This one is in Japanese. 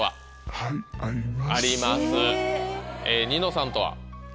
えニノさんとは？